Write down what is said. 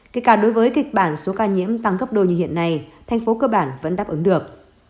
kể cả đối với kịch bản số ca nhiễm tăng gấp đôi như hiện nay thành phố cơ bản vẫn đáp ứng được